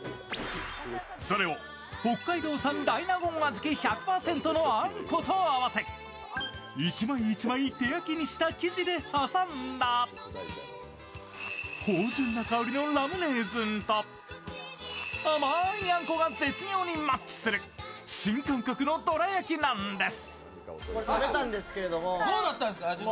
それを北海道産大納言小豆のあんこと合わせ一枚一枚手焼きにした生地で挟んだ芳じゅんな香りのラムレーズンと甘いあんこが絶妙にマッチする新感覚のどら焼きなんです。